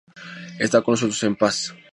Esta con nosotros en paz!